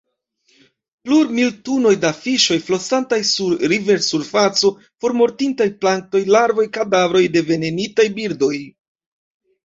Plurmil tunoj da fiŝoj flosantaj sur riversurfaco; formortintaj planktoj, larvoj; kadavroj de venenitaj birdoj.